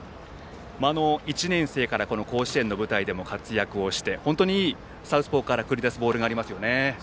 １年生から甲子園の舞台でも活躍をして非常にサウスポーから繰り出すいいボールがありますね。